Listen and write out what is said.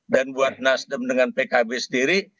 dan buat nasdem dengan pkb sendiri